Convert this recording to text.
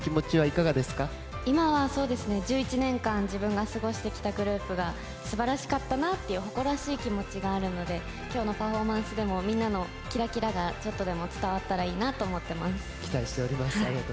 今は１１年間自分が過ごしてきたグループが素晴らしかったなという誇らしい気持ちがあるので今日のパフォーマンスでもみんなのキラキラがちょっとでも伝わったらいいなと期待しております。